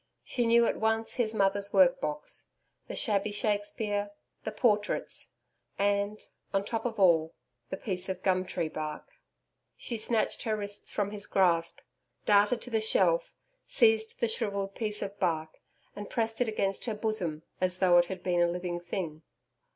She knew at once his mother's work box, the shabby SHAKESPEARE the portraits, and, on top of all, the piece of gum tree bark. She snatched her wrists from his grasp, darted to the shelf, seized the shrivelled pice of bark, and pressed it against her bosom as though it had been a living thing.